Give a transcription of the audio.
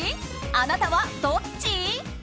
あなたはどっち？